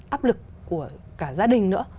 áp lực của cả gia đình nữa